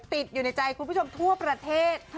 ติดอยู่ในใจคุณผู้ชมทั่วประเทศ